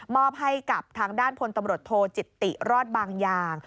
อบให้กับทางด้านพลตำรวจโทจิตติรอดบางอย่าง